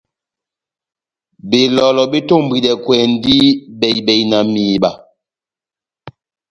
Belɔlɔ betombwidɛkwɛndi bɛhi-bɛhi na mihiba.